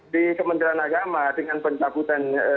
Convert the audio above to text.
di kementerian agama dengan pencabutan